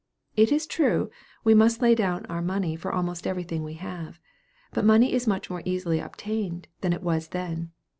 It is true, we must lay down our money for almost everything we have; but money is much more easily obtained than it was then.